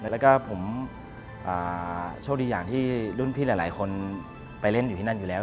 แล้วก็ผมโชคดีอย่างที่รุ่นพี่หลายคนไปเล่นอยู่ที่นั่นอยู่แล้ว